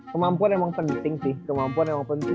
kemampuan emang penting sih kemampuan emang penting